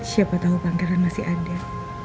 siapa tahu pangeran masih ada